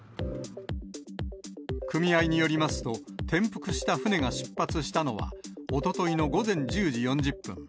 組合によりますと、転覆した船が出発したのは、おとといの午前１０時４０分。